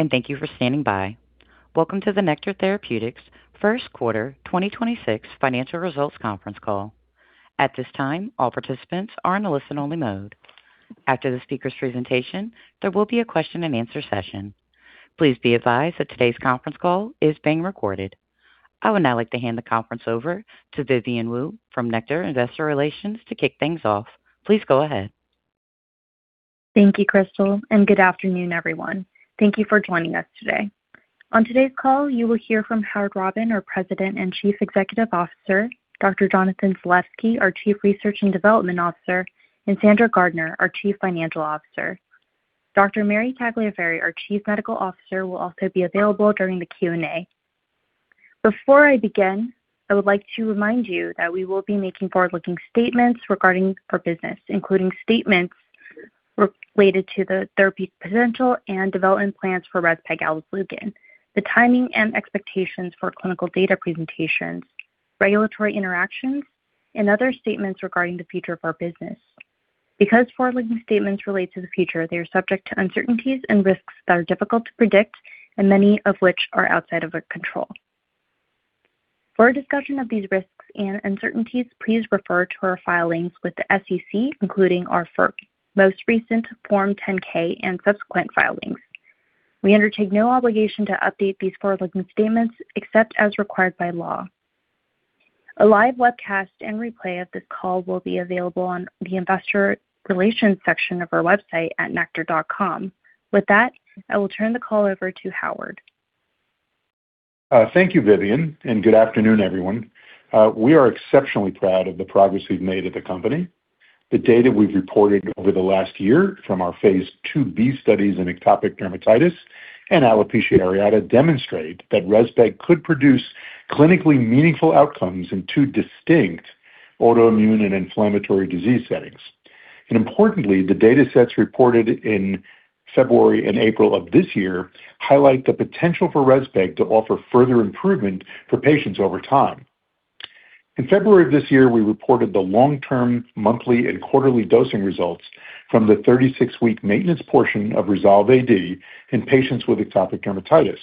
Hello, and thank you for standing by. Welcome to the Nektar Therapeutics 1st quarter 2026 financial results Conference Call. At this time, all participants are in a listen-only mode. After the speaker's presentation, there will be a question and answer session. Please be advised that today's conference call is being recorded. I would now like to hand the conference over to Vivian Wu from Nektar investor relations to kick things off. Please go ahead. Thank you, Crystal, and good afternoon, everyone. Thank you for joining us today. On today's call, you will hear from Howard Robin, our President and Chief Executive Officer, Dr. Jonathan Zalevsky, our Chief Research and Development Officer, and Sandra Gardiner, our Chief Financial Officer. Dr. Mary Tagliaferri, our Chief Medical Officer, will also be available during the Q&A. Before I begin, I would like to remind you that we will be making forward-looking statements regarding our business, including statements related to the therapy's potential and development plans for rezpegaldesleukin, the timing and expectations for clinical data presentations, regulatory interactions, and other statements regarding the future of our business. Because forward-looking statements relate to the future, they are subject to uncertainties and risks that are difficult to predict and many of which are outside of our control. For a discussion of these risks and uncertainties, please refer to our filings with the SEC, including our most recent Form 10-K and subsequent filings. We undertake no obligation to update these forward-looking statements except as required by law. A live webcast and replay of this call will be available on the investor relations section of our website at nektar.com. With that, I will turn the call over to Howard. Thank you, Vivian, and good afternoon, everyone. We are exceptionally proud of the progress we've made at the company. The data we've reported over the last year from our phase IIb studies in atopic dermatitis and alopecia areata demonstrate that REZPEG could produce clinically meaningful outcomes in two distinct autoimmune and inflammatory disease settings. Importantly, the datasets reported in February and April of this year highlight the potential for REZPEG to offer further improvement for patients over time. In February of this year, we reported the long-term monthly and quarterly dosing results from the 36-week maintenance portion of REZOLVE-AD in patients with atopic dermatitis.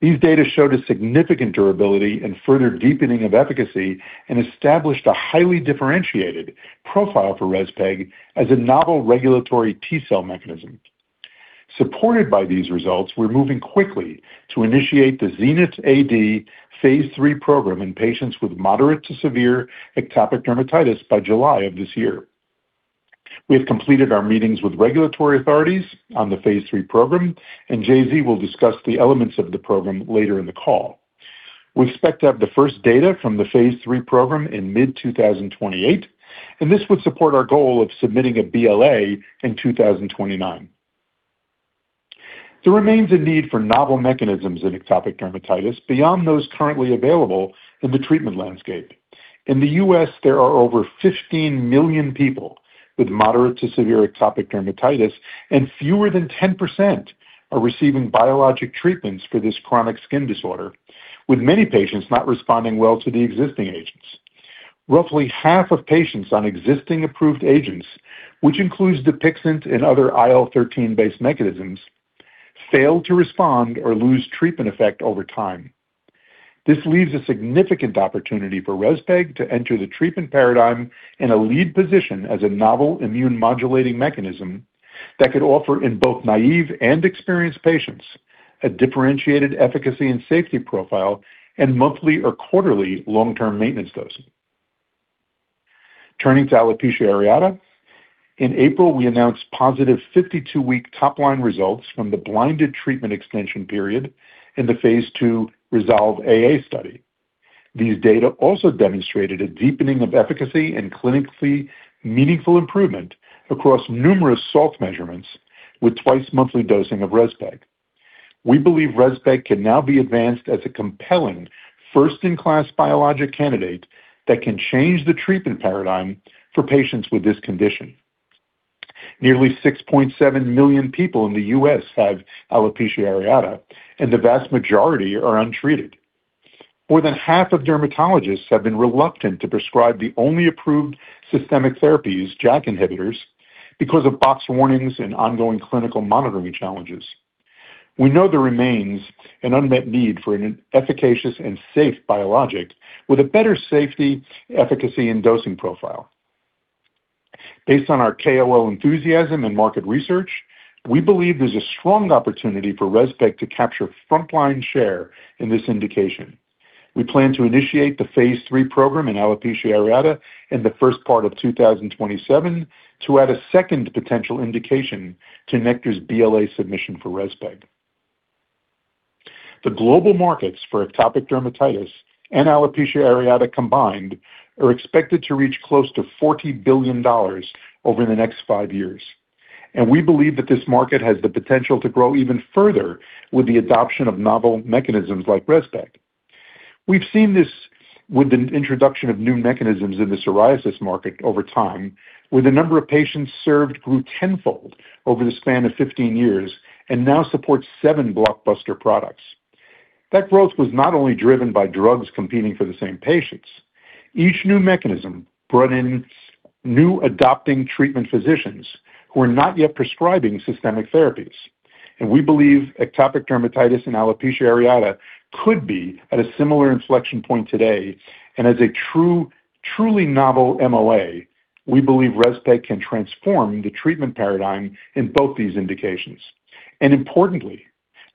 These data showed a significant durability and further deepening of efficacy and established a highly differentiated profile for REZPEG as a novel regulatory T-cell mechanism. Supported by these results, we're moving quickly to initiate the ZENITH-AD phase III program in patients with moderate to severe atopic dermatitis by July of this year. We have completed our meetings with regulatory authorities on the phase III program. J.Z. will discuss the elements of the program later in the call. We expect to have the first data from the phase III program in mid-2028. This would support our goal of submitting a BLA in 2029. There remains a need for novel mechanisms in atopic dermatitis beyond those currently available in the treatment landscape. In the U.S., there are over 15 million people with moderate to severe atopic dermatitis. Fewer than 10% are receiving biologic treatments for this chronic skin disorder, with many patients not responding well to the existing agents. Roughly half of patients on existing approved agents, which includes DUPIXENT and other IL-13-based mechanisms, fail to respond or lose treatment effect over time. This leaves a significant opportunity for REZPEG to enter the treatment paradigm in a lead position as a novel immune modulating mechanism that could offer in both naive and experienced patients a differentiated efficacy and safety profile and monthly or quarterly long-term maintenance dosing. Turning to alopecia areata. In April, we announced positive 52-week top-line results from the blinded treatment extension period in the phase II REZOLVE-AA study. These data also demonstrated a deepening of efficacy and clinically meaningful improvement across numerous SALT measurements with twice-monthly dosing of REZPEG. We believe REZPEG can now be advanced as a compelling first-in-class biologic candidate that can change the treatment paradigm for patients with this condition. Nearly 6.7 million people in the U.S. have alopecia areata, and the vast majority are untreated. More than half of dermatologists have been reluctant to prescribe the only approved systemic therapies, JAK inhibitors, because of box warnings and ongoing clinical monitoring challenges. We know there remains an unmet need for an efficacious and safe biologic with a better safety, efficacy, and dosing profile. Based on our KOL enthusiasm and market research, we believe there's a strong opportunity for REZPEG to capture frontline share in this indication. We plan to initiate the phase III program in alopecia areata in the first part of 2027 to add a second potential indication to Nektar's BLA submission for REZPEG. The global markets for atopic dermatitis and alopecia areata combined are expected to reach close to $40 billion over the next five years. We believe that this market has the potential to grow even further with the adoption of novel mechanisms like REZPEG. We've seen this with the introduction of new mechanisms in the psoriasis market over time, where the number of patients served grew 10-fold over the span of 15 years and now supports seven blockbuster products. That growth was not only driven by drugs competing for the same patients. Each new mechanism brought in new adopting treatment physicians who are not yet prescribing systemic therapies. We believe atopic dermatitis and alopecia areata could be at a similar inflection point today. As a truly novel MOA, we believe REZPEG can transform the treatment paradigm in both these indications. Importantly,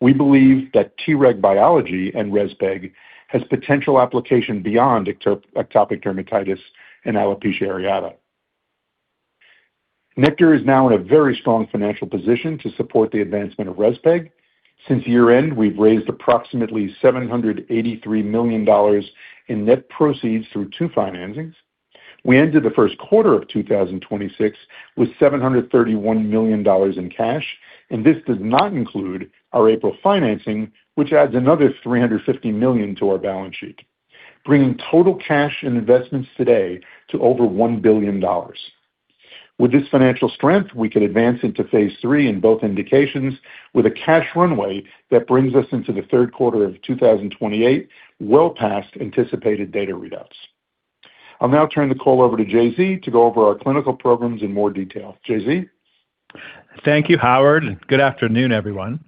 we believe that Treg biology in REZPEG has potential application beyond atopic dermatitis and alopecia areata. Nektar is now in a very strong financial position to support the advancement of REZPEG. Since year-end, we've raised approximately $783 million in net proceeds through two financings. We ended the first quarter of 2026 with $731 million in cash, and this does not include our April financing, which adds another $350 million to our balance sheet, bringing total cash and investments today to over $1 billion. With this financial strength, we can advance into phase III in both indications with a cash runway that brings us into the third quarter of 2028, well past anticipated data readouts. I'll now turn the call over to J.Z. to go over our clinical programs in more detail. J.Z. Thank you, Howard, good afternoon, everyone.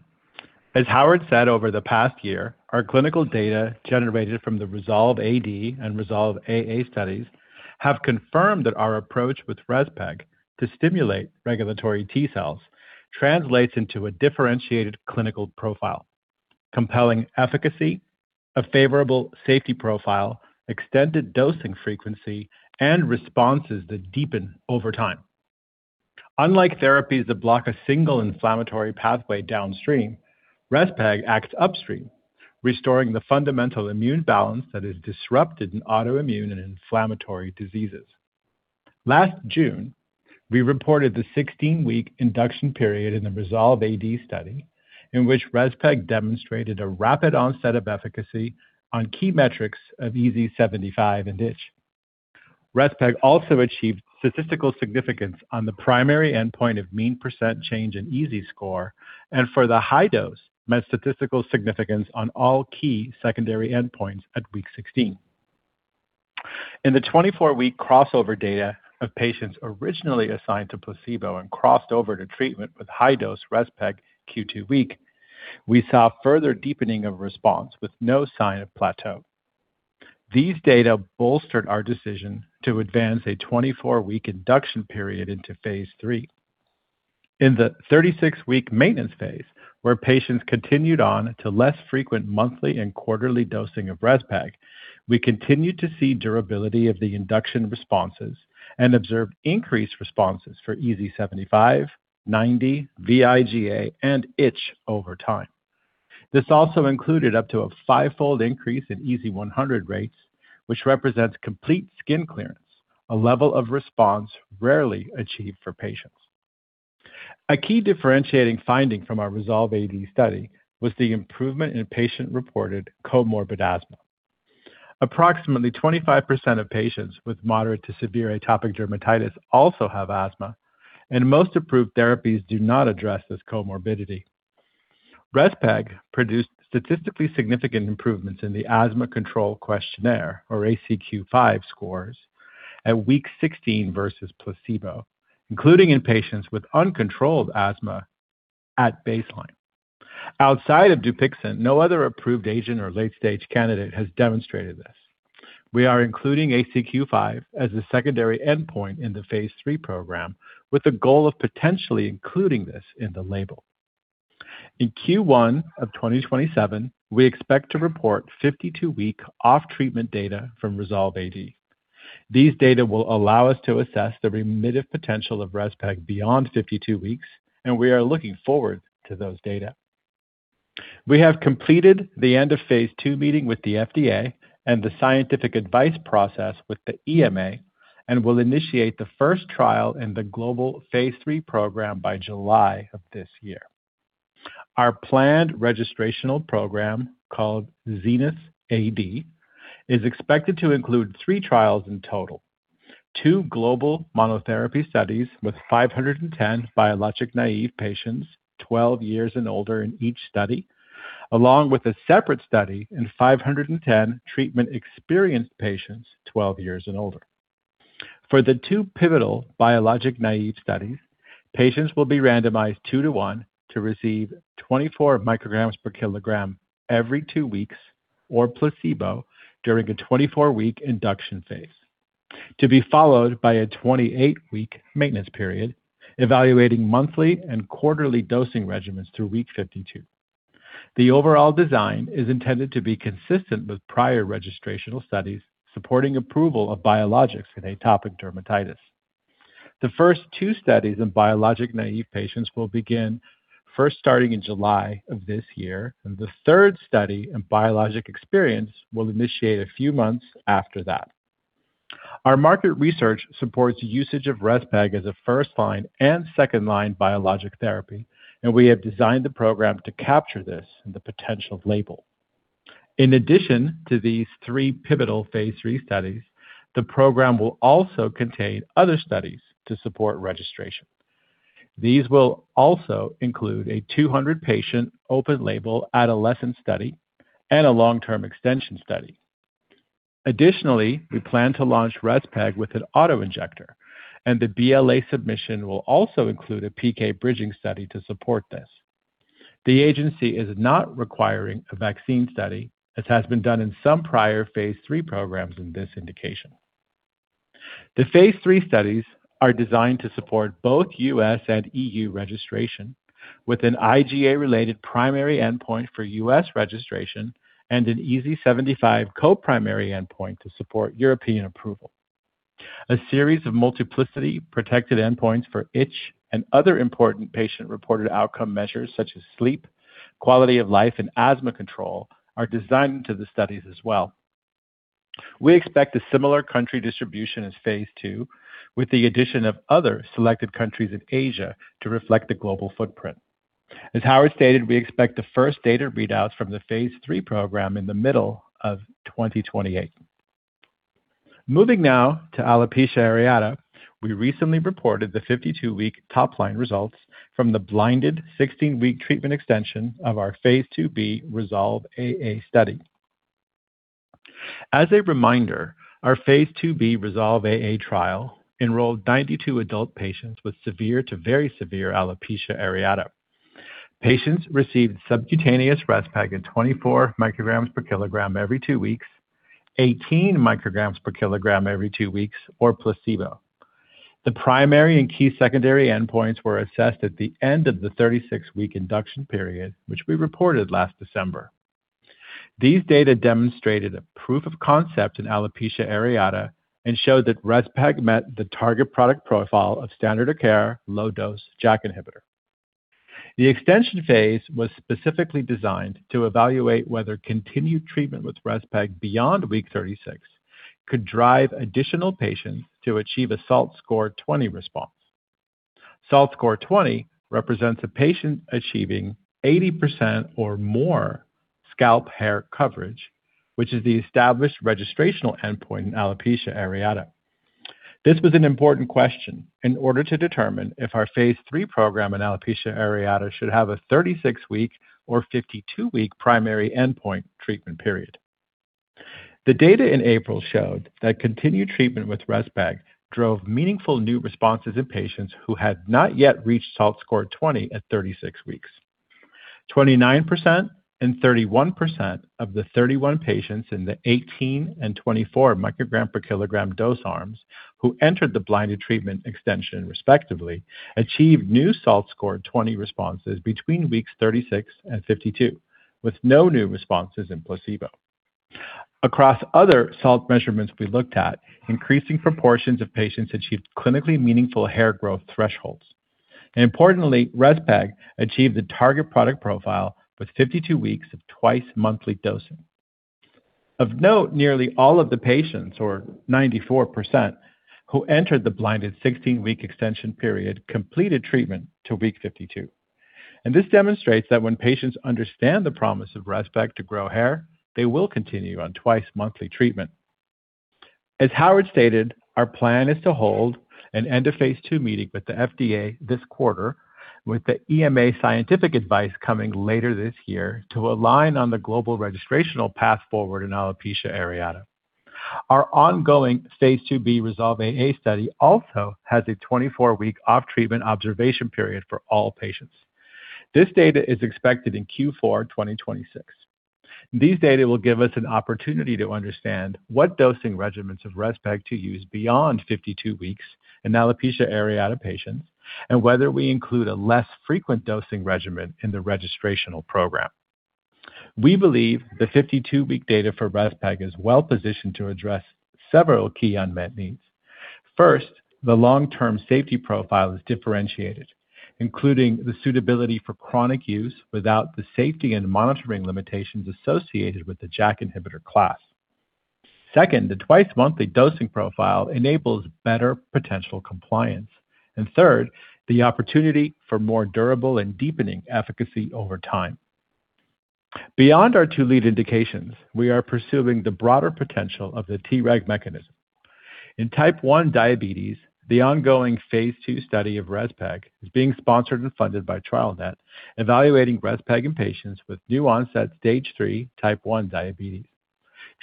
As Howard said, over the past year, our clinical data generated from the REZOLVE-AD and REZOLVE-AA studies have confirmed that our approach with REZPEG to stimulate regulatory T cells translates into a differentiated clinical profile, compelling efficacy, a favorable safety profile, extended dosing frequency, and responses that deepen over time. Unlike therapies that block a single inflammatory pathway downstream, REZPEG acts upstream, restoring the fundamental immune balance that is disrupted in autoimmune and inflammatory diseases. Last June, we reported the 16-week induction period in the REZOLVE-AD study, in which REZPEG demonstrated a rapid onset of efficacy on key metrics of EASI-75 and itch. REZPEG also achieved statistical significance on the primary endpoint of mean % change in EASI score, and for the high dose, met statistical significance on all key secondary endpoints at week 16. In the 24-week crossover data of patients originally assigned to placebo and crossed over to treatment with high-dose REZPEG Q two week, we saw further deepening of response with no sign of plateau. These data bolstered our decision to advance a 24-week induction period into phase III. In the 36-week maintenance phase, where patients continued on to less frequent monthly and quarterly dosing of REZPEG, we continued to see durability of the induction responses and observed increased responses for EASI 75, 90, vIGA-AD, and itch over time. This also included up to a five fold increase in EASI 100 rates, which represents complete skin clearance, a level of response rarely achieved for patients. A key differentiating finding from our REZOLVE-AD study was the improvement in patient-reported comorbid asthma. Approximately 25% of patients with moderate to severe atopic dermatitis also have asthma, and most approved therapies do not address this comorbidity. REZPEG produced statistically significant improvements in the Asthma Control Questionnaire, or ACQ-5 scores at week 16 versus placebo, including in patients with uncontrolled asthma at baseline. Outside of DUPIXENT, no other approved agent or late-stage candidate has demonstrated this. We are including ACQ-5 as a secondary endpoint in the phase III program, with a goal of potentially including this in the label. In Q1 2027, we expect to report 52-week off-treatment data from REZOLVE-AD. These data will allow us to assess the remittive potential of REZPEG beyond 52 weeks, and we are looking forward to those data. We have completed the end of phase II meeting with the FDA and the scientific advice process with the EMA and will initiate the first trial in the global phase III program by July of this year. Our planned registrational program, called ZENITH-AD, is expected to include three trials in total. two global monotherapy studies with 510 biologic-naive patients 12 years and older in each study, along with a separate study in 510 treatment-experienced patients 12 years and older. For the two pivotal biologic-naive studies, patients will be randomized 2-1 to receive 24 micrograms per kilogram every two weeks or placebo during a 24-week induction phase, to be followed by a 28-week maintenance period evaluating monthly and quarterly dosing regimens through week 52. The overall design is intended to be consistent with prior registrational studies supporting approval of biologics in atopic dermatitis. The first two studies in biologic-naive patients will begin first starting in July of this year, and the third study in biologic experience will initiate a few months after that. Our market research supports usage of REZPEG as a first-line and second-line biologic therapy, and we have designed the program to capture this in the potential label. In addition to these three pivotal phase III studies, the program will also contain other studies to support registration. These will also include a 200-patient open-label adolescent study and a long-term extension study. Additionally, we plan to launch REZPEG with an auto-injector, and the BLA submission will also include a PK bridging study to support this. The agency is not requiring a vaccine study, as has been done in some prior phase III programs in this indication. The phase III studies are designed to support both U.S. and E.U. registration, with an IGA-related primary endpoint for U.S. registration and an EASI-75 co-primary endpoint to support European approval. A series of multiplicity protected endpoints for itch and other important patient-reported outcome measures such as sleep, quality of life, and asthma control are designed into the studies as well. We expect a similar country distribution as phase II, with the addition of other selected countries in Asia to reflect the global footprint. As Howard stated, we expect the first data readouts from the phase III program in the middle of 2028. Moving now to alopecia areata, we recently reported the 52-week top-line results from the blinded 16-week treatment extension of our Phase II-B REZOLVE-AA study. As a reminder, our Phase II-B REZOLVE-AA trial enrolled 92 adult patients with severe to very severe alopecia areata. Patients received subcutaneous REZPEG at 24 micrograms per kilogram every two weeks, 18 micrograms per kilogram every two weeks, or placebo. The primary and key secondary endpoints were assessed at the end of the 36-week induction period, which we reported last December. These data demonstrated a proof of concept in alopecia areata and showed that REZPEG met the target product profile of standard of care low-dose JAK inhibitor. The extension phase was specifically designed to evaluate whether continued treatment with REZPEG beyond week 36 could drive additional patients to achieve a SALT score 20 response. SALT score 20 represents a patient achieving 80% or more scalp hair coverage, which is the established registrational endpoint in alopecia areata. This was an important question in order to determine if our Phase III program in alopecia areata should have a 36-week or 52-week primary endpoint treatment period. The data in April showed that continued treatment with REZPEG drove meaningful new responses in patients who had not yet reached SALT score 20 at 36 weeks. 29% and 31% of the 31 patients in the 18 and 24 microgram per kilogram dose arms who entered the blinded treatment extension respectively achieved new SALT score 20 responses between weeks 36 and 52, with no new responses in placebo. Across other SALT measurements we looked at, increasing proportions of patients achieved clinically meaningful hair growth thresholds. Importantly, REZPEG achieved the target product profile with 52 weeks of twice monthly dosing. Of note, nearly all of the patients, or 94%, who entered the blinded 16-week extension period completed treatment to week 52, and this demonstrates that when patients understand the promise of REZPEG to grow hair, they will continue on twice-monthly treatment. As Howard stated, our plan is to hold an end of phase II meeting with the FDA this quarter, with the EMA scientific advice coming later this year to align on the global registrational path forward in alopecia areata. Our ongoing phase II-B REZOLVE-AA study also has a 24-week off-treatment observation period for all patients. This data is expected in Q4 2026. These data will give us an opportunity to understand what dosing regimens of REZPEG to use beyond 52 weeks in alopecia areata patients and whether we include a less frequent dosing regimen in the registrational program. We believe the 52-week data for REZPEG is well-positioned to address several key unmet needs. First, the long-term safety profile is differentiated, including the suitability for chronic use without the safety and monitoring limitations associated with the JAK inhibitor class. Second, the twice-monthly dosing profile enables better potential compliance. Third, the opportunity for more durable and deepening efficacy over time. Beyond our two lead indications, we are pursuing the broader potential of the Treg mechanism. In type one diabetes, the ongoing phase II study of REZPEG is being sponsored and funded by TrialNet, evaluating REZPEG in patients with new-onset stage three type one diabetes.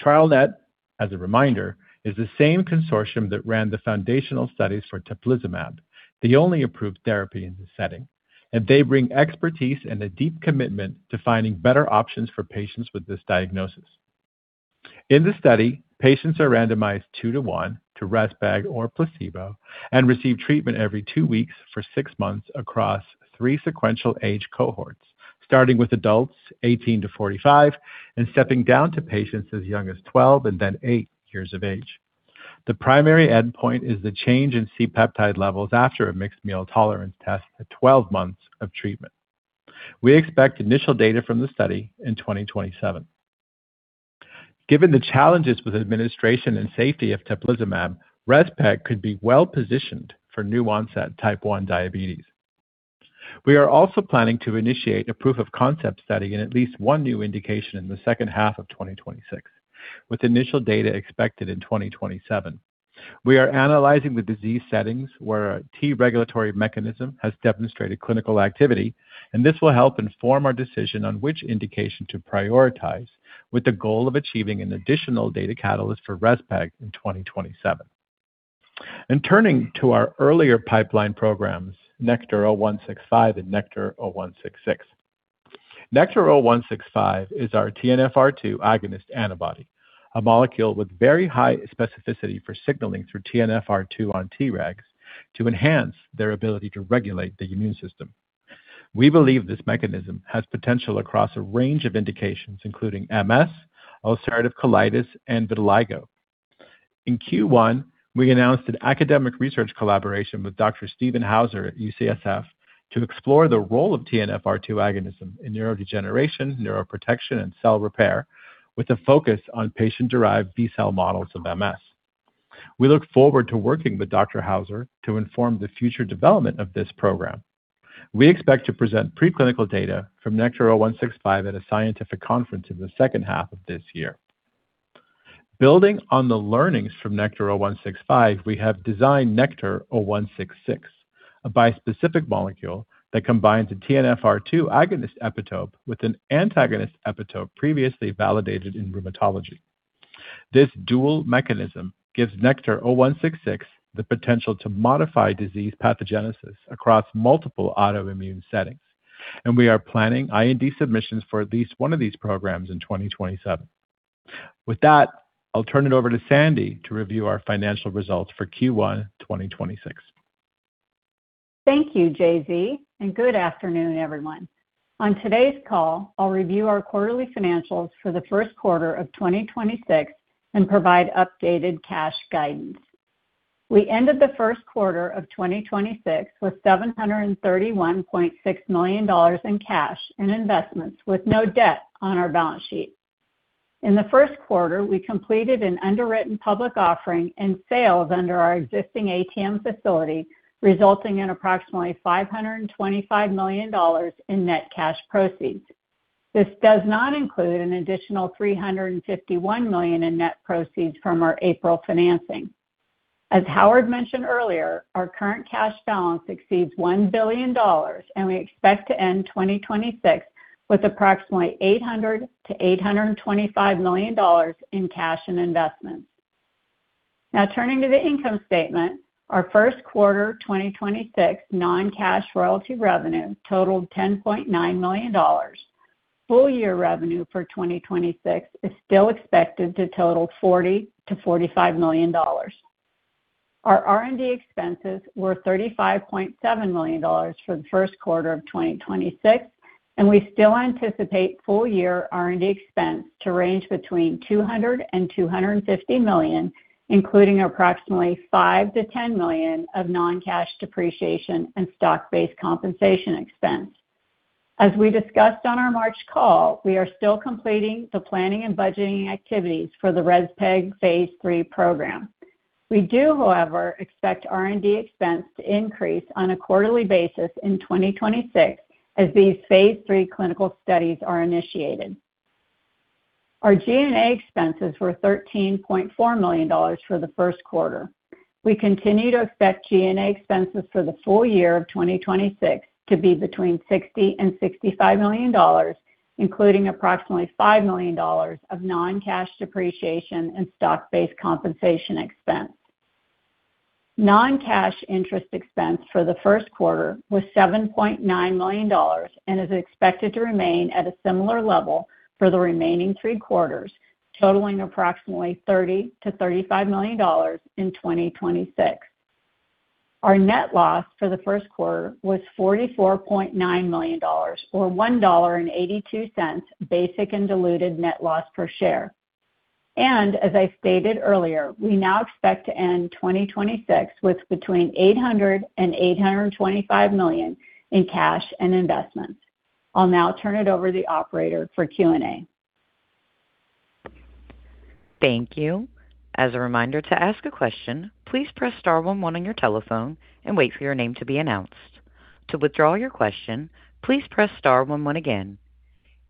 TrialNet, as a reminder, is the same consortium that ran the foundational studies for teplizumab, the only approved therapy in this setting, and they bring expertise and a deep commitment to finding better options for patients with this diagnosis. In the study, patients are randomized 2-1 to REZPEG or placebo and receive treatment every two weeks for six months across three sequential age cohorts, starting with adults 18-45 and stepping down to patients as young as 12 and then eight years of age. The primary endpoint is the change in C-peptide levels after a mixed meal tolerance test at 12 months of treatment. We expect initial data from the study in 2027. Given the challenges with administration and safety of teplizumab, REZPEG could be well-positioned for new-onset type one diabetes. We are also planning to initiate a proof of concept study in at least one new indication in the second half of 2026. With initial data expected in 2027. We are analyzing the disease settings where a T regulatory mechanism has demonstrated clinical activity, and this will help inform our decision on which indication to prioritize, with the goal of achieving an additional data catalyst for REZPEG in 2027. Turning to our earlier pipeline programs, NKTR-0165 and NKTR-0166. NKTR-0165 is our TNFR2 agonist antibody, a molecule with very high specificity for signaling through TNFR2 on Tregs to enhance their ability to regulate the immune system. We believe this mechanism has potential across a range of indications, including MS, ulcerative colitis, and vitiligo. In Q1, we announced an academic research collaboration with Dr. Stephen Hauser at UCSF to explore the role of TNFR2 agonism in neurodegeneration, neuroprotection, and cell repair, with a focus on patient-derived B-cell models of MS. We look forward to working with Dr. Hauser to inform the future development of this program. We expect to present preclinical data from NKTR-0165 at a scientific conference in the second half of this year. Building on the learnings from NKTR-0165, we have designed NKTR-0166, a bispecific molecule that combines a TNFR2 agonist epitope with an antagonist epitope previously validated in rheumatology. This dual mechanism gives NKTR-0166 the potential to modify disease pathogenesis across multiple autoimmune settings, and we are planning IND submissions for at least one of these programs in 2027. With that, I'll turn it over to Sandy to review our financial results for Q1 2026. Thank you, JZ, and good afternoon, everyone. On today's call, I'll review our quarterly financials for the first quarter of 2026 and provide updated cash guidance. We ended the first quarter of 2026 with $731.6 million in cash and investments, with no debt on our balance sheet. In the first quarter, we completed an underwritten public offering and sales under our existing ATM facility, resulting in approximately $525 million in net cash proceeds. This does not include an additional $351 million in net proceeds from our April financing. As Howard mentioned earlier, our current cash balance exceeds $1 billion, and we expect to end 2026 with approximately $800 million-$825 million in cash and investments. Now turning to the income statement, our first quarter 2026 non-cash royalty revenue totaled $10.9 million. Full-year revenue for 2026 is still expected to total $40 million-$45 million. Our R&D expenses were $35.7 million for the first quarter of 2026, and we still anticipate full-year R&D expense to range between $200 million-$250 million, including approximately $5 million-$10 million of non-cash depreciation and stock-based compensation expense. As we discussed on our March call, we are still completing the planning and budgeting activities for the REZPEG phase III program. We do, however, expect R&D expense to increase on a quarterly basis in 2026 as these phase III clinical studies are initiated. Our G&A expenses were $13.4 million for the first quarter. We continue to expect G&A expenses for the full year of 2026 to be between $60 million-$65 million, including approximately $5 million of non-cash depreciation and stock-based compensation expense. Non-cash interest expense for the first quarter was $7.9 million and is expected to remain at a similar level for the remaining three quarters, totaling approximately $30 million-$35 million in 2026. Our net loss for the first quarter was $44.9 million, or $1.82 basic and diluted net loss per share. As I stated earlier, we now expect to end 2026 with between $800 million-$825 million in cash and investments. I'll now turn it over to the operator for Q&A. Thank you. As a reminder to ask a question, please press star one one on your telephone and wait for your name to be announced. To withdraw your question, please press star one one again.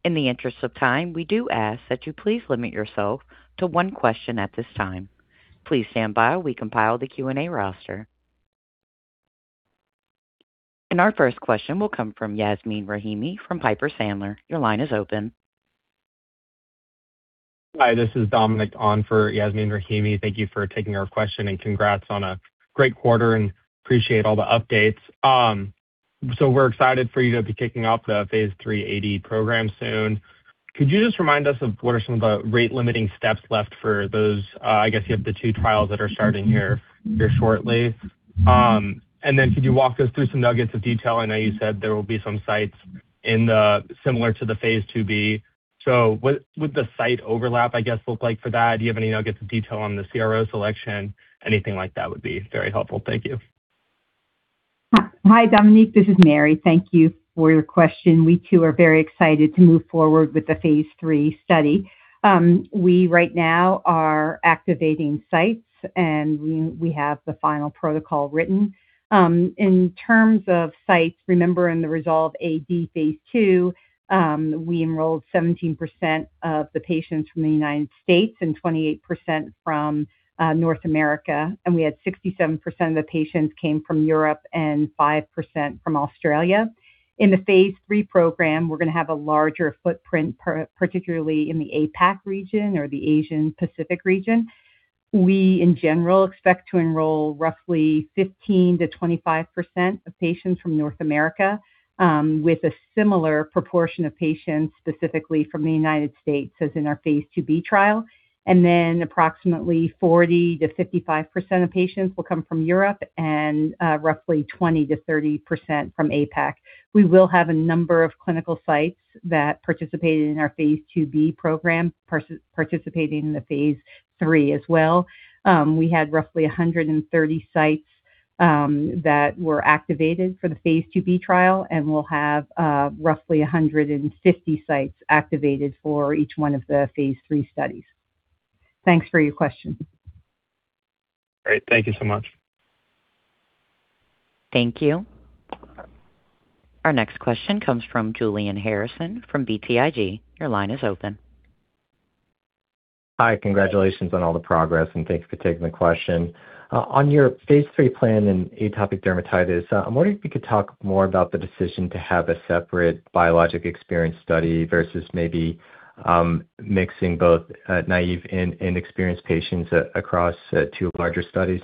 In the interest of time, we do ask that you please limit yourself to one question at this time. Please stand by while we compile the Q&A roster. And our first question will come from Yasmin Rahimi from Piper Sandler. Your line is open. Hi, this is Dominic on for Yasmeen Rahimi. Thank you for taking our question, and congrats on a great quarter and appreciate all the updates. We're excited for you to be kicking off the phase III AD program soon. Could you just remind us of what are some of the rate-limiting steps left for those, I guess you have the two trials that are starting here shortly? Could you walk us through some nuggets of detail? I know you said there will be some sites similar to the phase II-b. What would the site overlap, I guess, look like for that? Do you have any nuggets of detail on the CRO selection? Anything like that would be very helpful. Thank you. Hi, Dominique, this is Mary. Thank you for your question. We too are very excited to move forward with the phase III study. We right now are activating sites, and we have the final protocol written. In terms of sites, remember in the REZOLVE-AD phase II, we enrolled 17% of the patients from the United States and 28% from North America, and we had 67% of the patients came from Europe and 5% from Australia. In the phase III program, we're gonna have a larger footprint particularly in the APAC region or the Asian Pacific region. We in general expect to enroll roughly 15-25% of patients from North America, with a similar proportion of patients specifically from the United States as in our phase IIb trial. Approximately 40%-55% of patients will come from Europe and, roughly 20%-30% from APAC. We will have a number of clinical sites that participated in our phase IIb program participating in the phase III as well. We had roughly 130 sites that were activated for the phase II-b trial, and we'll have roughly 150 sites activated for each one of the phase III studies. Thanks for your question. Great. Thank you so much. Thank you. Our next question comes from Julian Harrison from BTIG. Your line is open. Hi. Congratulations on all the progress, and thanks for taking the question. On your phase III plan in atopic dermatitis, I'm wondering if you could talk more about the decision to have a separate biologic experience study versus maybe mixing both, naive and experienced patients across two larger studies.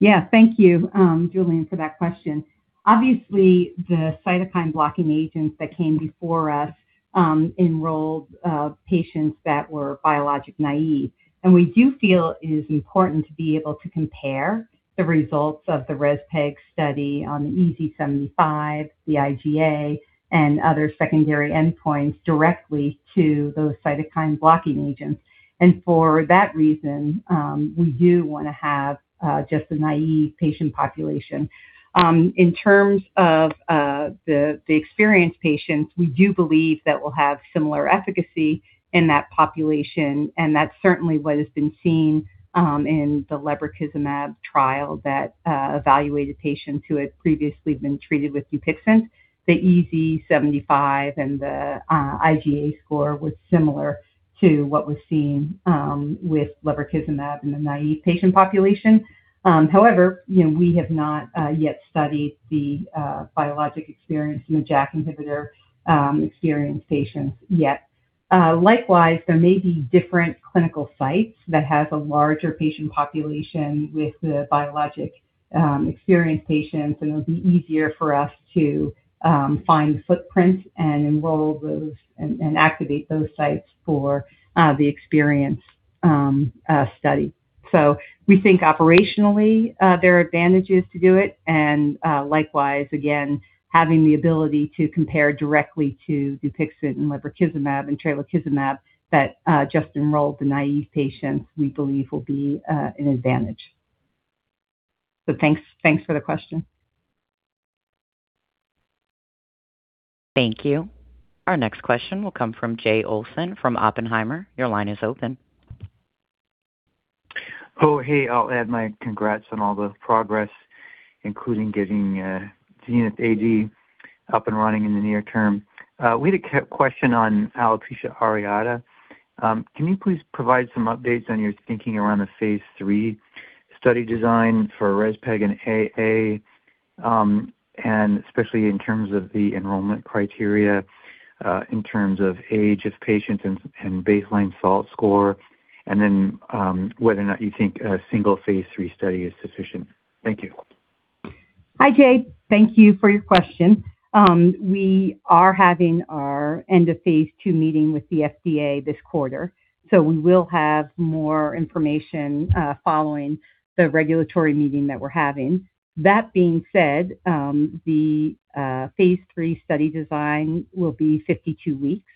Yeah. Thank you, Julian, for that question. Obviously, the cytokine blocking agents that came before us enrolled patients that were biologic naive. We do feel it is important to be able to compare the results of the REZPEG study on the EASI-75, the IGA, and other secondary endpoints directly to those cytokine blocking agents. For that reason, we do wanna have just a naive patient population. In terms of the experienced patients, we do believe that we'll have similar efficacy in that population, and that's certainly what has been seen in the lebrikizumab trial that evaluated patients who had previously been treated with DUPIXENT. The EASI-75 and the IGA score was similar to what was seen with lebrikizumab in the naive patient population. However, you know, we have not yet studied the biologic experience in the JAK inhibitor experienced patients yet. Likewise, there may be different clinical sites that has a larger patient population with the biologic experienced patients, and it'll be easier for us to find footprint and enroll those and activate those sites for the experienced study. We think operationally there are advantages to do it. Likewise, again, having the ability to compare directly to Dupixent and lebrikizumab and tralokinumab that just enrolled the naive patients, we believe will be an advantage. Thanks for the question. Thank you. Our next question will come from Jay Olson from Oppenheimer. Your line is open. Oh, hey, I'll add my congrats on all the progress, including getting ZENITH-AD up and running in the near term. We had a question on alopecia areata. Can you please provide some updates on your thinking around the phase III study design for REZPEG and AA, and especially in terms of the enrollment criteria, in terms of age of patients and baseline SALT score, and then, whether or not you think a single phase III study is sufficient? Thank you. Hi, Jay. Thank you for your question. We are having our end of phase II meeting with the FDA this quarter, so we will have more information following the regulatory meeting that we're having. That being said, the phase III study design will be 52 weeks.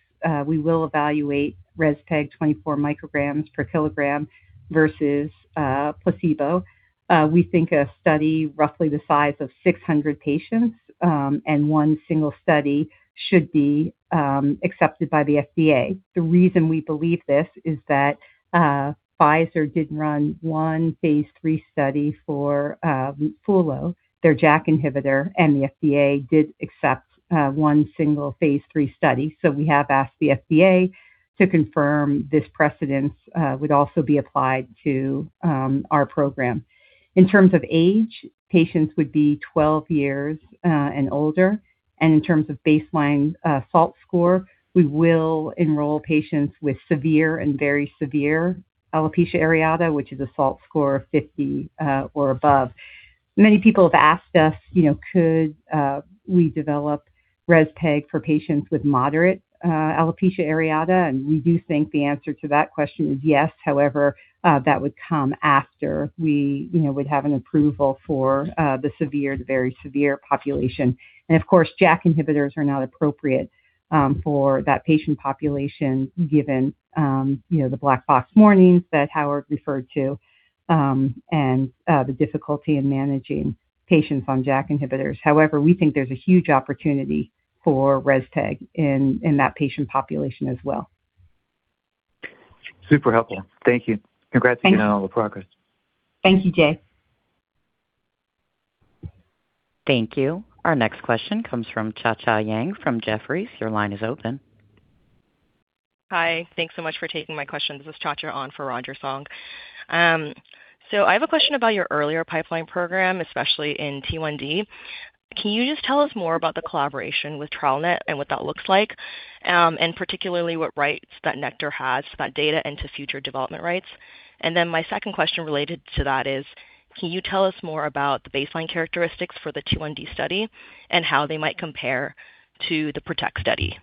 We will evaluate REZPEG 24 micrograms per kilogram versus placebo. We think a study roughly the size of 600 patients, and one single study should be accepted by the FDA. The reason we believe this is that Pfizer did run one phase III study for Fullo, their JAK inhibitor, and the FDA did accept one single phase III study. We have asked the FDA to confirm this precedent would also be applied to our program. In terms of age, patients would be 12 years and older. In terms of baseline SALT score, we will enroll patients with severe and very severe alopecia areata, which is a SALT score of 50 or above. Many people have asked us, you know, could we develop REZPEG for patients with moderate alopecia areata, and we do think the answer to that question is yes. However, that would come after we, you know, would have an approval for the severe to very severe population. Of course, JAK inhibitors are not appropriate for that patient population given, you know, the black box warnings that Howard referred to, and the difficulty in managing patients on JAK inhibitors. However, we think there's a huge opportunity for REZPEG in that patient population as well. Super helpful. Thank you. Thanks. Congrats again on all the progress. Thank you, Jay. Thank you. Our next question comes from Cha Cha Yang from Jefferies. Your line is open. Hi. Thanks so much for taking my question. This is Cha Cha on for Roger Song. I have a question about your earlier pipeline program, especially in T1D. Can you just tell us more about the collaboration with TrialNet and what that looks like? Particularly what rights that Nektar has to that data and to future development rights. My second question related to that is, can you tell us more about the baseline characteristics for the T1D study and how they might compare to the PROTECT study?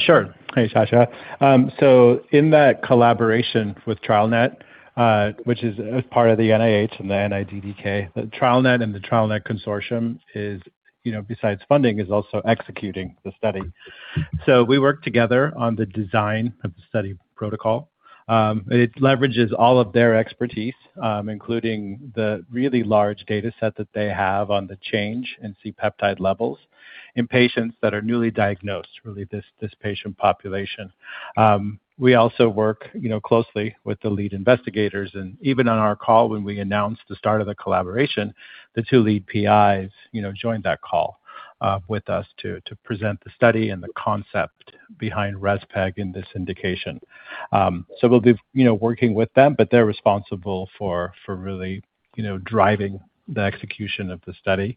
sure. Hey, Cha Cha. In that collaboration with TrialNet, which is, part of the NIH and the NIDDK, the TrialNet consortium is, you know, besides funding, is also executing the study. We work together on the design of the study protocol. It leverages all of their expertise, including the really large data set that they have on the change in C-peptide levels in patients that are newly diagnosed, really this patient population. We also work, you know, closely with the lead investigators. Even on our call when we announced the start of the collaboration, the two lead PIs, you know, joined that call, with us to present the study and the concept behind REZPEG in this indication. we'll be, you know, working with them, but they're responsible for really, you know, driving the execution of the study.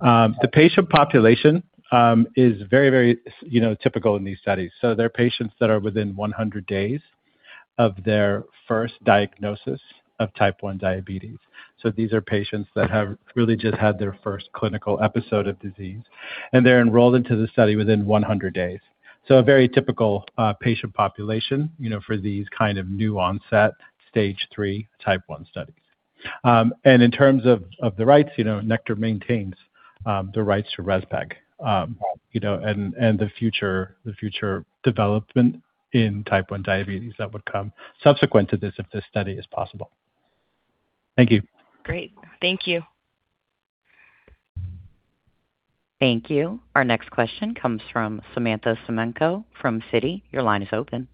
the patient population, is very, very, you know, typical in these studies. they're patients that are within 100 days of their first diagnosis of type one diabetes. these are patients that have really just had their first clinical episode of disease, and they're enrolled into the study within 100 days. a very typical, patient population, you know, for these kind of new onset stage three type one studies. in terms of the rights, you know, Nektar maintains the rights to REZPEG, you know, and the future development in type one diabetes that would come subsequent to this if this study is possible. Thank you. Great. Thank you. Thank you. Our next question comes from Samantha Semenkow from Citi. Your line is open.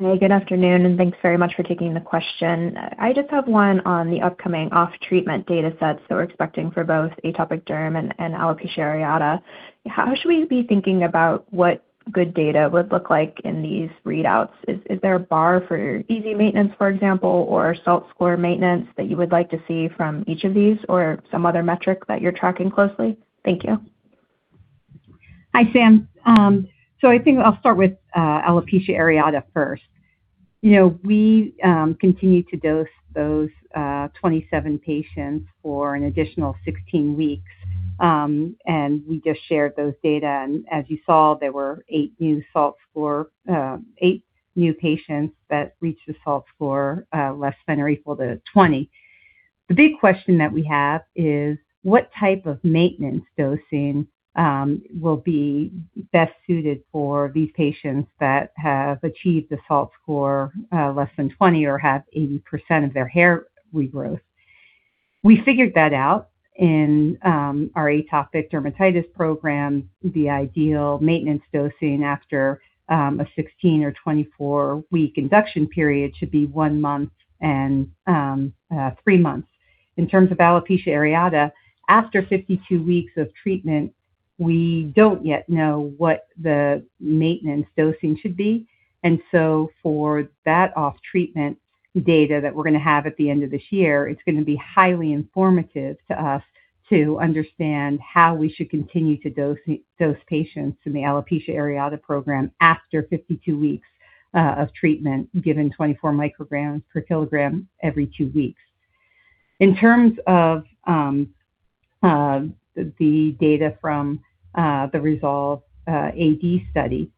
Hi, good afternoon, and thanks very much for taking the question. I just have one on the upcoming off-treatment data sets that we're expecting for both atopic derm and alopecia areata. How should we be thinking about what good data would look like in these readouts? Is there a bar for EASI maintenance, for example, or SALT score maintenance that you would like to see from each of these or some other metric that you're tracking closely? Thank you. Hi, Sam. I think I'll start with alopecia areata first. You know, we continue to dose those 27 patients for an additional 16 weeks, and we just shared those data. As you saw, there were eight new patients that reached a SALT score less than or equal to 20. The big question that we have is what type of maintenance dosing will be best suited for these patients that have achieved a SALT score less than 20 or have 80% of their hair regrowth. We figured that out in our atopic dermatitis program. The ideal maintenance dosing after a 16 or 24 week induction period should be one month and three months. In terms of alopecia areata, after 52 weeks of treatment, we don't yet know what the maintenance dosing should be. For that off-treatment data that we're gonna have at the end of this year, it's gonna be highly informative to us to understand how we should continue to dose patients in the alopecia areata program after 52 weeks of treatment, given 24 micrograms per kilogram every two weeks. In terms of the data from the REZOLVE-AD study,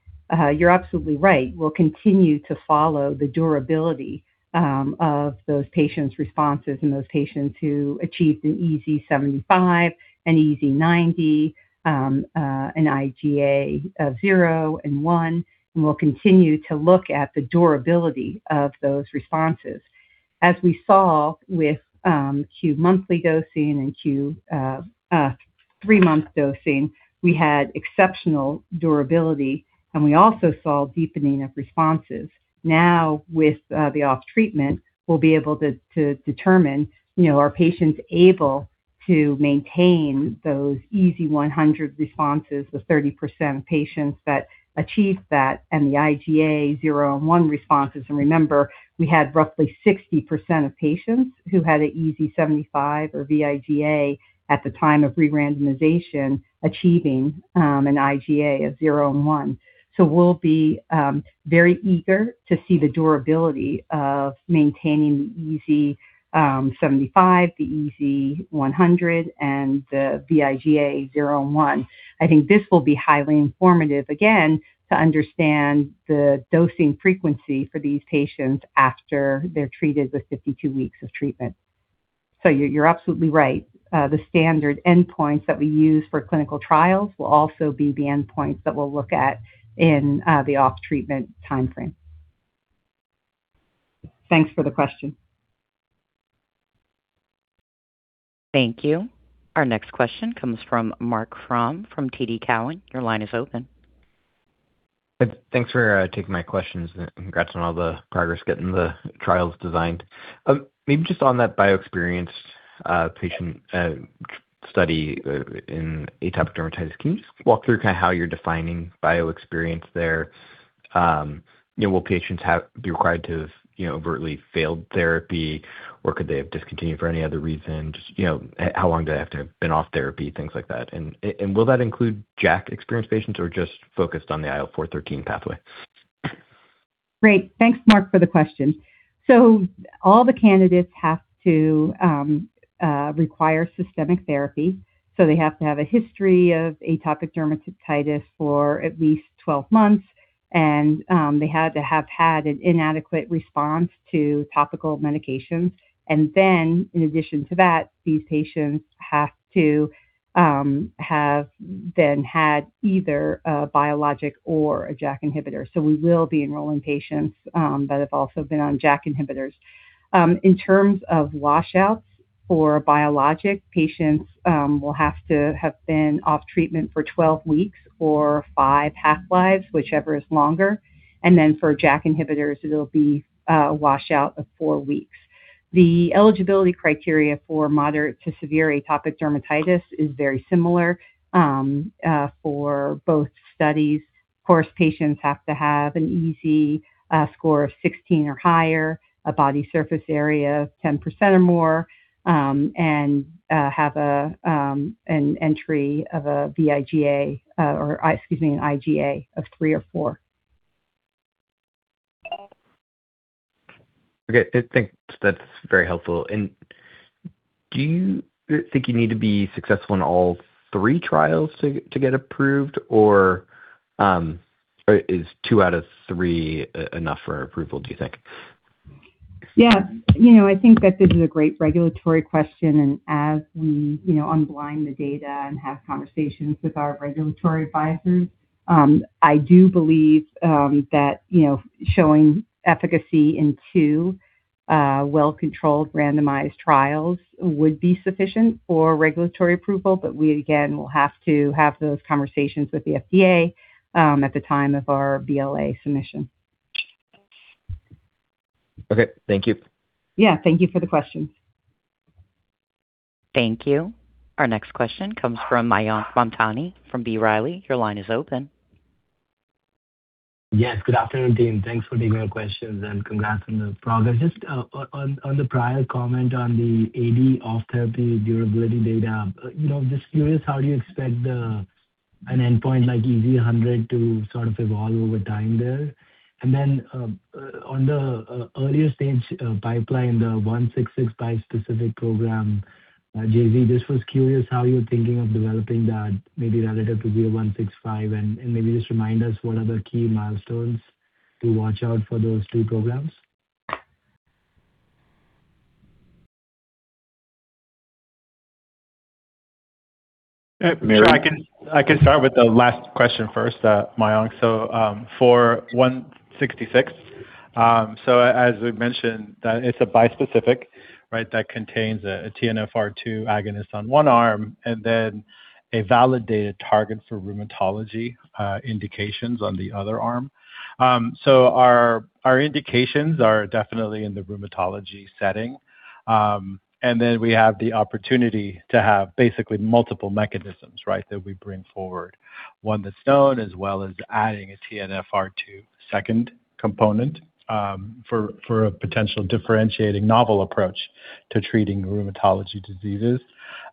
you're absolutely right. We'll continue to follow the durability of those patients' responses in those patients who achieved an EASI 75, an EASI 90, an IGA of 0 and 1, and we'll continue to look at the durability of those responses. As we saw with Q monthly dosing and Q three-month dosing, we had exceptional durability, and we also saw deepening of responses. Now, with the off treatment, we'll be able to determine, you know, are patients able to maintain those EASI 100 responses, the 30% of patients that achieved that, and the IGA 0 and 1 responses. Remember, we had roughly 60% of patients who had an EASI 75 or VIGA at the time of re-randomization achieving an IGA of 0 and 1. We'll be very eager to see the durability of maintaining the EASI 75, the EASI 100, and the VIGA 0 and 1. I think this will be highly informative again to understand the dosing frequency for these patients after they're treated with 52 weeks of treatment. You're absolutely right. The standard endpoints that we use for clinical trials will also be the endpoints that we'll look at in the off-treatment timeframe. Thanks for the question. Thank you. Our next question comes from Mark Crump from TD Cowen. Your line is open. Thanks for taking my questions, and congrats on all the progress getting the trials designed. Maybe just on that bio-experienced patient study in atopic dermatitis. Can you just walk through kind of how you're defining bio-experience there? You know, will patients be required to have, you know, overtly failed therapy, or could they have discontinued for any other reason? Just, you know, how long do they have to have been off therapy, things like that. Will that include JAK-experienced patients or just focused on the IL-4/IL-13 pathway? Great. Thanks, Mark, for the question. All the candidates have to require systemic therapy, so they have to have a history of atopic dermatitis for at least 12 months. They had to have had an inadequate response to topical medications. In addition to that, these patients have to have then had either a biologic or a JAK inhibitor. We will be enrolling patients that have also been on JAK inhibitors. In terms of washouts for biologic patients, will have to have been off treatment for 12 weeks or 5 half-lives, whichever is longer. For JAK inhibitors, it'll be a washout of four weeks. The eligibility criteria for moderate to severe atopic dermatitis is very similar for both studies. Of course, patients have to have an EASI score of 16 or higher, a body surface area of 10% or more, and have an entry of a vIGA-AD, or excuse me, an IGA of three or four. Okay. Thanks. That's very helpful. Do you think you need to be successful in all three trials to get approved, or is two out of three enough for approval, do you think? Yeah. You know, I think that this is a great regulatory question. As we, you know, unblind the data and have conversations with our regulatory advisors, I do believe that, you know, showing efficacy in two well-controlled randomized trials would be sufficient for regulatory approval. We again will have to have those conversations with the FDA at the time of our BLA submission. Okay. Thank you. Yeah. Thank you for the question. Thank you. Our next question comes from Mayank Mamtani from B. Riley. Your line is open. Yes. Good afternoon, team. Thanks for taking our questions, and congrats on the progress. Just on the prior comment on the AD off-therapy durability data. you know, just curious, how do you expect an endpoint like EASI 100 to sort of evolve over time there? On the earlier stage pipeline, the 0166 bispecific program, JZ, just was curious how you're thinking of developing that maybe relative to 0165 and maybe just remind us what are the key milestones to watch out for those two programs. Mary. Sure. I can start with the last question first, Mayank. For one sixty-six, as we've mentioned that it's a bispecific, right? That contains a TNFR2 agonist on one arm and then a validated target for rheumatology indications on the other arm. Our indications are definitely in the rheumatology setting. Then we have the opportunity to have basically multiple mechanisms, right? That we bring forward one that's known, as well as adding a TNFR2 second component for a potential differentiating novel approach to treating rheumatology diseases.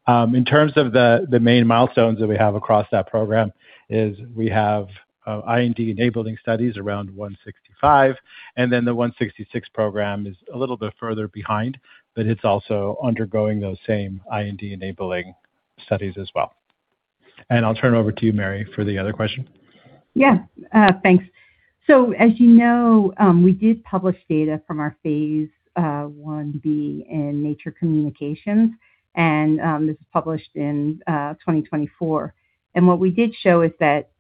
In terms of the main milestones that we have across that program is we have IND-enabling studies around one sixty-five, and then the one sixty-six program is a little bit further behind, but it's also undergoing those same IND-enabling studies as well. I'll turn it over to you, Mary, for the other question. Yeah, thanks. As you know, we did publish data from our phase I-B in Nature Communications, and this was published in 2024. What we did show is that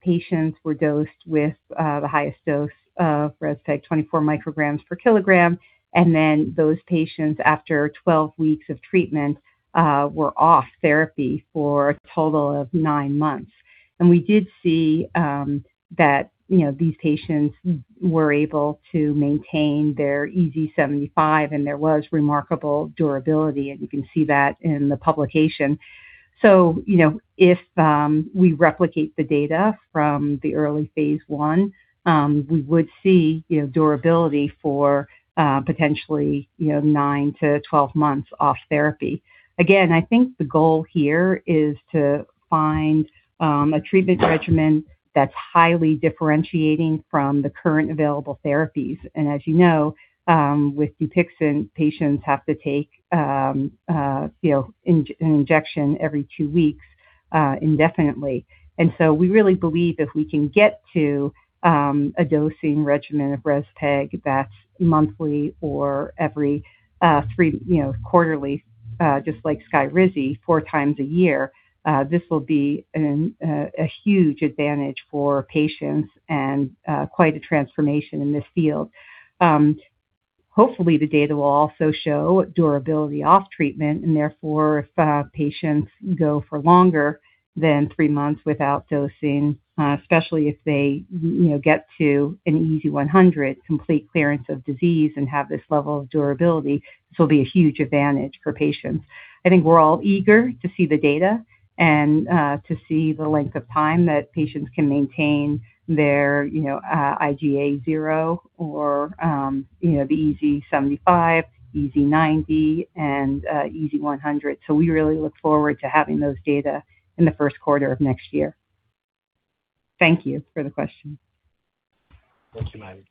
patients were dosed with the highest dose of REZPEG, 24 micrograms per kilogram. Then those patients, after 12 weeks of treatment, were off therapy for a total of nine months. We did see that, you know, these patients were able to maintain their EASI-75, and there was remarkable durability, and you can see that in the publication. You know, if we replicate the data from the early phase I, we would see, you know, durability for potentially nine to 12 months off therapy. Again, I think the goal here is to find a treatment regimen that's highly differentiating from the current available therapies. As you know, with DUPIXENT, patients have to take, you know, injection every two weeks, indefinitely. We really believe if we can get to a dosing regimen of REZPEG that's monthly or every three, you know, quarterly, just like SKYRIZI 4x a year, this will be a huge advantage for patients and quite a transformation in this field. Hopefully the data will also show durability off treatment, and therefore, if patients go for longer than three months without dosing, especially if they, you know, get to an EASI 100 complete clearance of disease and have this level of durability, this will be a huge advantage for patients. I think we're all eager to see the data and to see the length of time that patients can maintain their, you know, IGA 0 or, you know, the EASI-75, EASI-90, and EASI-100. We really look forward to having those data in the first quarter of next year. Thank you for the question. Thank you, Mary.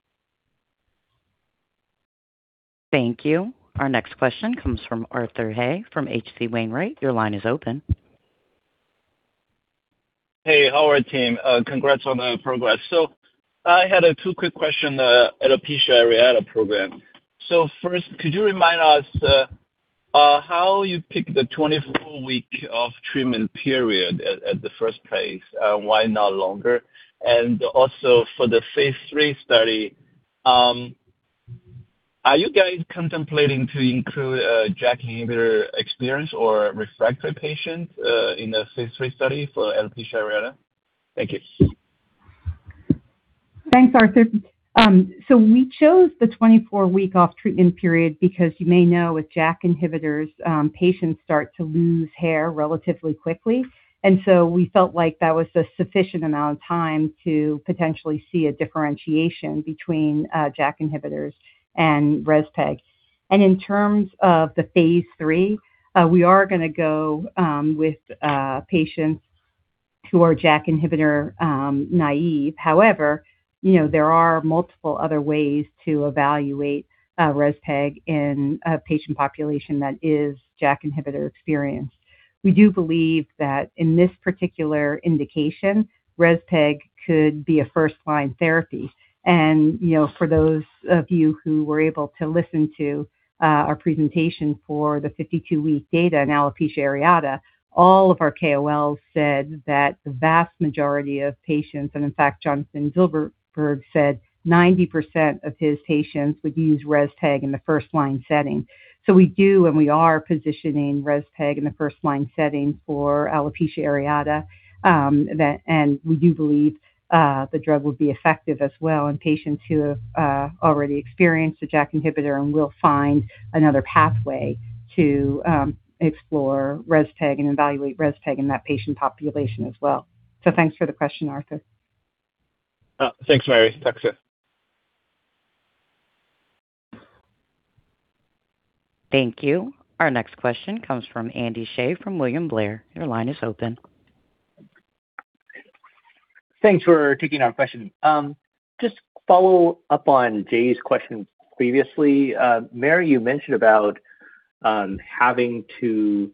Thank you. Our next question comes from Arthur He from H.C. Wainwright. Your line is open. Hey, Howard team? Congrats on the progress. I had a two quick question, alopecia areata program. First, could you remind us, how you pick the 24 week off treatment period at the first place, and why not longer? Also for the phase III study, are you guys contemplating to include, JAK inhibitor experience or refractory patients, in the phase III study for alopecia areata? Thank you. Thanks, Arthur. We chose the 24 week off treatment period because you may know with JAK inhibitors, patients start to lose hair relatively quickly. We felt like that was a sufficient amount of time to potentially see a differentiation between JAK inhibitors and Rezpeg. In terms of the phase III, we are gonna go with patients who are JAK inhibitor naive. However, you know, there are multiple other ways to evaluate Rezpeg in a patient population that is JAK inhibitor experienced. We do believe that in this particular indication, Rezpeg could be a first-line therapy. You know, for those of you who were able to listen to our presentation for the 52-week data in alopecia areata, all of our KOLs said that the vast majority of patients, and in fact, Jonathan Silverberg said 90% of his patients would use REZPEG in the first-line setting. We do, and we are positioning REZPEG in the first-line setting for alopecia areata, that we do believe the drug would be effective as well in patients who have already experienced a JAK inhibitor. We'll find another pathway to explore REZPEG and evaluate REZPEG in that patient population as well. Thanks for the question, Arthur. Thanks, Mary. Talk soon. Thank you. Our next question comes from Andy Hsieh from William Blair. Your line is open. Thanks for taking our question. Just follow up on Jay's question previously. Mary, you mentioned about having to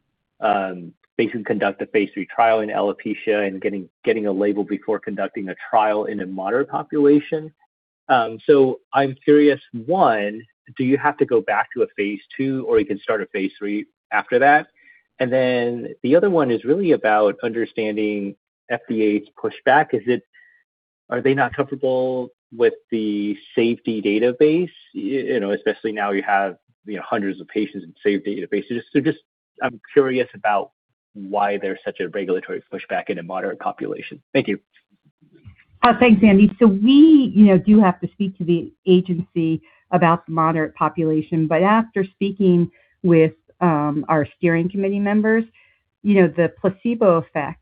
basically conduct a phase III trial in alopecia and getting a label before conducting a trial in a moderate population. I'm curious, one, do you have to go back to a phase II, or you can start a phase III after that? The other one is really about understanding FDA's pushback. Are they not comfortable with the safety database? You know, especially now you have, you know, hundreds of patients in safe databases. I'm curious about why there's such a regulatory pushback in a moderate population. Thank you. Thanks, Andy. We, you know, do have to speak to the agency about the moderate population, but after speaking with our steering committee members, you know, the placebo effect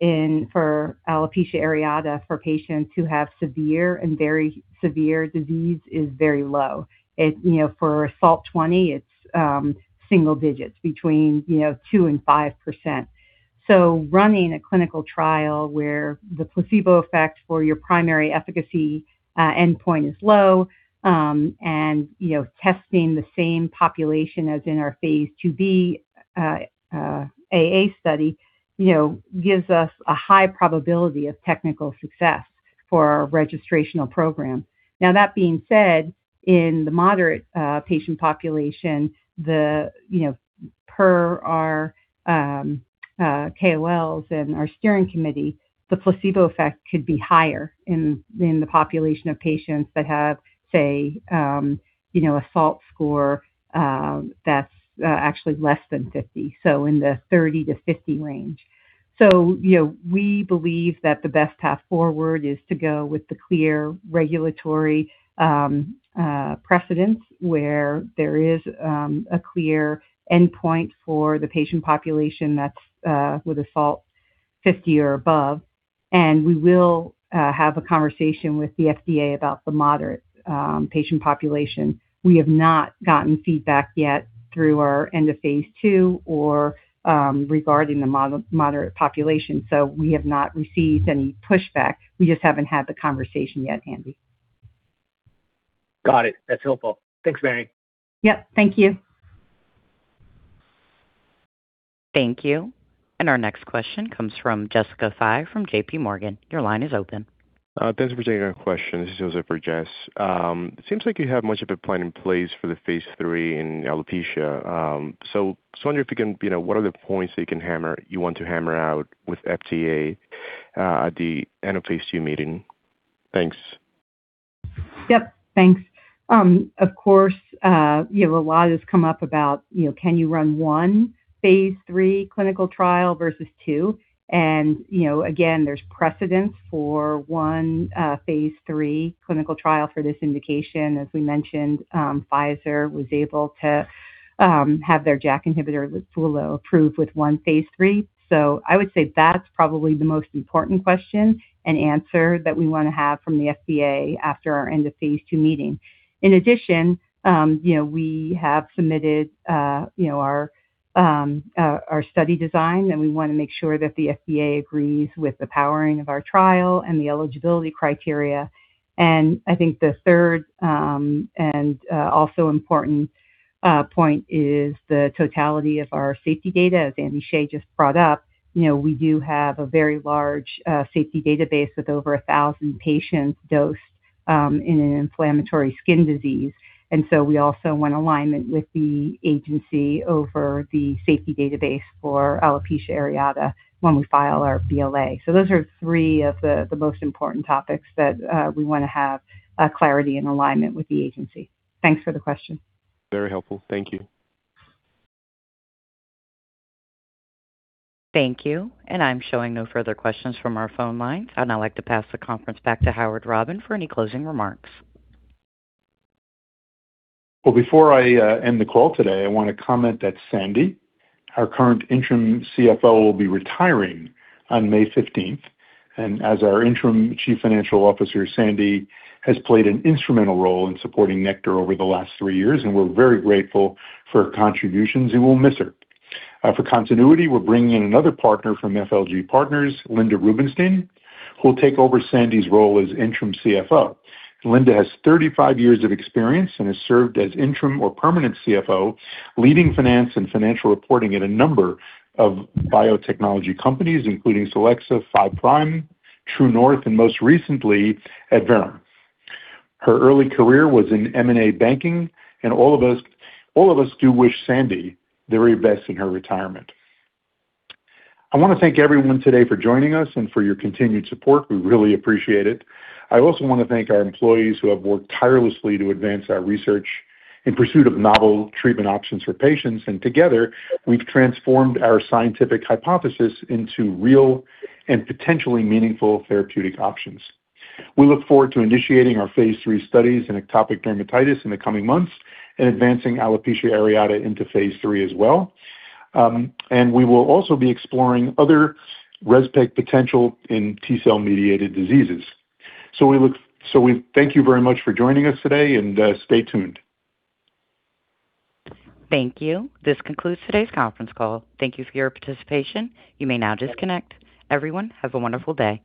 in for alopecia areata for patients who have severe and very severe disease is very low. It, you know, for SALT 20, it's single digits between 2 and 5%. Running a clinical trial where the placebo effect for your primary efficacy endpoint is low and, you know, testing the same population as in our phase IIb AA study, you know, gives us a high probability of technical success for our registrational program. That being said, in the moderate patient population, the, you know, per our KOLs and our steering committee, the placebo effect could be higher in the population of patients that have, say, you know, a SALT score that's actually less than 50, so in the 30-50 range. You know, we believe that the best path forward is to go with the clear regulatory precedence, where there is a clear endpoint for the patient population that's with a SALT 50 or above. We will have a conversation with the FDA about the moderate patient population. We have not gotten feedback yet through our end of phase II or regarding the moderate population, so we have not received any pushback. We just haven't had the conversation yet, Andy. Got it. That's helpful. Thanks, Mary. Yep. Thank you. Thank you. Our next question comes from Jessica Fye from JPMorgan. Your line is open. Thanks for taking our question. This is also for Jess. Seems like you have much of a plan in place for the phase III in alopecia. Just wondering if you can, you know, what are the points that you want to hammer out with FDA? At the end of phase II meeting. Thanks. Yep. Thanks. Of course, you know, a lot has come up about, you know, can you run one phase III clinical trial versus two? You know, again, there's precedence for one phase III clinical trial for this indication. As we mentioned, Pfizer was able to have their JAK inhibitor, RINVOQ, approved with one phase III. I would say that's probably the most important question and answer that we wanna have from the FDA after our end of phase II meeting. In addition, you know, we have submitted, you know, our study design, and we wanna make sure that the FDA agrees with the powering of our trial and the eligibility criteria. I think the third and also important point is the totality of our safety data, as Andy Hsieh just brought up. You know, we do have a very large safety database with over 1,000 patients dosed in an inflammatory skin disease. We also want alignment with the agency over the safety database for alopecia areata when we file our BLA. Those are three of the most important topics that we wanna have clarity and alignment with the agency. Thanks for the question. Very helpful. Thank you. Thank you. I'm showing no further questions from our phone lines. I'd now like to pass the conference back to Howard Robin for any closing remarks. Well, before I end the call today, I wanna comment that Sandy, our current interim CFO, will be retiring on May fifteenth. As our interim chief financial officer, Sandy has played an instrumental role in supporting Nektar over the last three years, and we're very grateful for her contributions, and we'll miss her. For continuity, we're bringing in another partner from FLG Partners, Linda Rubinstein, who will take over Sandy's role as interim CFO. Linda has 35 years of experience and has served as interim or permanent CFO, leading finance and financial reporting at a number of biotechnology companies, including Solexa, Five Prime, True North, and most recently at Verve. Her early career was in M&A banking, and all of us do wish Sandy the very best in her retirement. I wanna thank everyone today for joining us and for your continued support. We really appreciate it. I also wanna thank our employees who have worked tirelessly to advance our research in pursuit of novel treatment options for patients. Together, we've transformed our scientific hypothesis into real and potentially meaningful therapeutic options. We look forward to initiating our phase III studies in atopic dermatitis in the coming months and advancing alopecia areata into phase III as well. We will also be exploring other REZPEG potential in T-cell mediated diseases. We thank you very much for joining us today, and stay tuned. Thank you. This concludes today's Conference Call. Thank you for your participation. You may now disconnect. Everyone, a wonderful day.